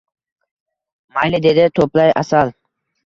Mayli dedi, to‘play asal